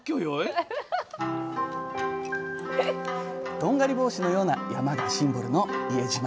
とんがり帽子のような山がシンボルの伊江島。